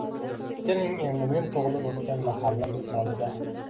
Keling, endi men tug‘ilib o‘sgan mahalla misolida